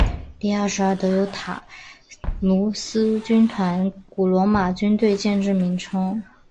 第二十二德尤塔卢斯军团古罗马军队建制名称。